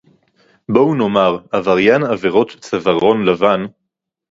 בואו נאמר עבריין עבירות צווארון לבן